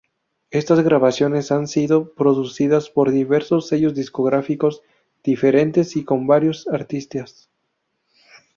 Estas grabaciones han sido producidas por diversos sellos discográficos diferentes y con varios artistas.